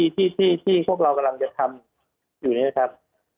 ที่พวกเรากำลังจะทำอยู่นี้ครับ